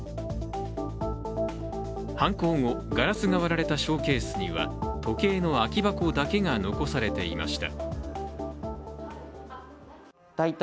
犯行後、ガラスが割られたショーケースには時計の空き箱だけが残されていました。